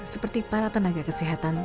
seperti para tenaga kesehatan